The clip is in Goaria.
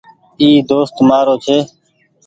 ايٚ دوست مآرو ڇي